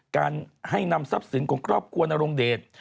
การให้นำทรัพย์สินของครอบครัวนรงเดช